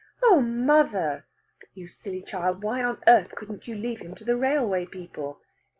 Oh, mother!" "You silly child! Why on earth couldn't you leave him to the railway people?"